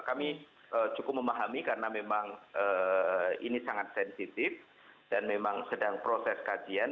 kami cukup memahami karena memang ini sangat sensitif dan memang sedang proses kajian